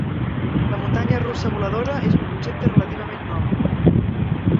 La muntanya russa voladora és un concepte relativament nou.